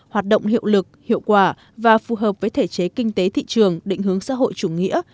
hoạt động hiệu lực hiệu quả và phù hợp với thể chế kinh tế thị trường định hướng xã hội chủ nghĩa